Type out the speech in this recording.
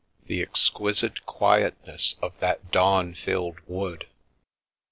The exquisite quietness of that dawn filled wood!